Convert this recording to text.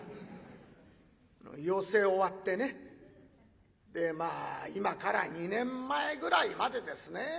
寄席終わってねでまあ今から２年前ぐらいまでですね。